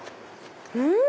うん！